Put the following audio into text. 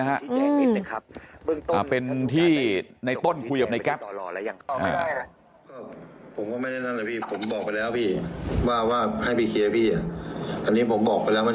พ่อเขาป่วยพี่ผมไม่รู้ทำยังไงมันบอกไปแล้วพี่